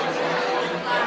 tidak tidak tidak